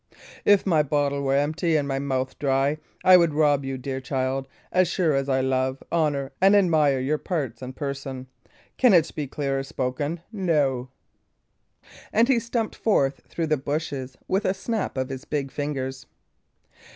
If my bottle were empty and my mouth dry, I would rob you, dear child, as sure as I love, honour, and admire your parts and person! Can it be clearer spoken? No." And he stumped forth through the bushes with a snap of his big fingers.